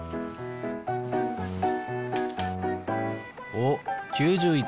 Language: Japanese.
おっ９１。